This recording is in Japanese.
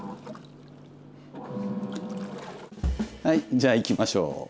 はいじゃあいきましょう。